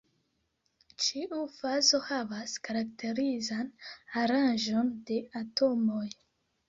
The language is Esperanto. Ĉiu fazo havas karakterizan aranĝon de atomoj.